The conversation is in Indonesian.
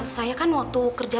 saya kan waktu kerja